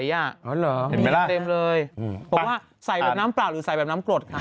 เห็นไหมล่ะเห็นเลยดังนั้นปุ่มว่าใสแบบน้ำเปล่าหรือใสแบบน้ำกรด